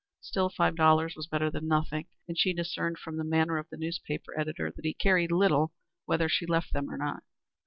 Still, five dollars was better than nothing, and she discerned from the manner of the newspaper editor that he cared little whether she left them or not.